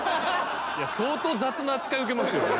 いや相当雑な扱い受けますよね。